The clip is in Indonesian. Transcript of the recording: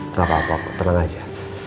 nggak apa apa pak tenang aja